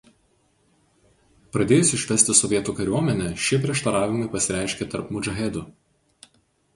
Pradėjus išvesti sovietų kariuomenę šie prieštaravimai pasireiškė tarp mudžahedų.